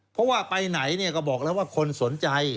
เพราะว่าไปไหนเนี่ยก็บอกแล้วว่าคนสนใจ